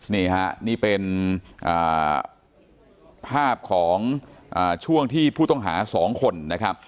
นี่ฮะนี่เป็นภาพของช่วงที่ผู้ต้องหา๒คนนะครับ